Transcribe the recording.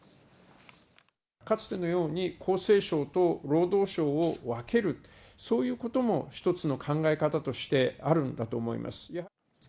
かつてのように、厚生省と労働省を分ける、そういうことも一つの考え方として、あるんだと思います。